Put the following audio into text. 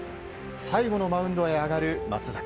最後のマウンドへ上がる松坂。